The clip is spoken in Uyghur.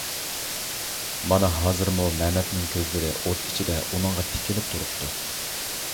مانا ھازىرمۇ مەمەتنىڭ كۆزلىرى ئوت ئىچىدە ئۇنىڭغا تىكىلىپ تۇرۇپتۇ.